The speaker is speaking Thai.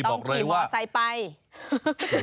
ต้องขี่มอสไซค์ไป